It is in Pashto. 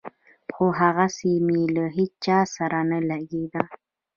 خو هغسې مې له هېچا سره نه لګېده.